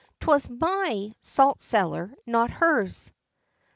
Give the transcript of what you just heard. "'Twas my salt cellar, not hers!"